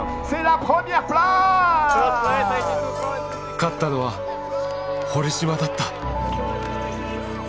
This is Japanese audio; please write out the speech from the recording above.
勝ったのは堀島だった。